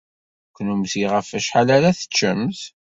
Kennemti ɣef wacḥal ara teččemt?